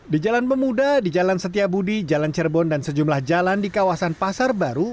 di jalan pemuda di jalan setiabudi jalan cirebon dan sejumlah jalan di kawasan pasar baru